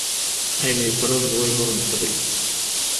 Ayen yeḍran d wayen ur neḍri.